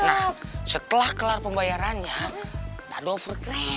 nah setelah kelar pembayarannya dado overgrade